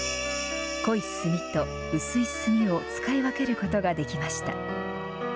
濃い墨と薄い墨を使い分けることができました。